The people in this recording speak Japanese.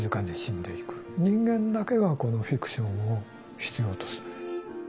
人間だけがこのフィクションを必要とする。